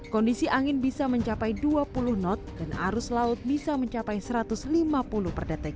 kondisi angin bisa mencapai dua puluh knot dan arus laut bisa mencapai satu ratus lima puluh per detik